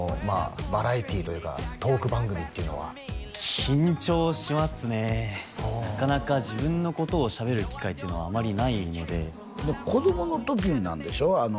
バラエティーというかトーク番組っていうのは緊張しますねなかなか自分のことをしゃべる機会はあまりないので子どもの時なんでしょ？